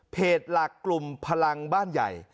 หลักกลุ่มพลังบ้านใหญ่